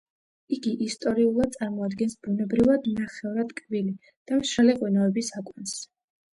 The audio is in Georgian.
იგი ისტორიულად წარმოადგენს ბუნებრივად ნახევრად ტკბილი და მშრალი ღვინოების აკვანს.